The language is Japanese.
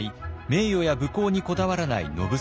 名誉や武功にこだわらない野伏。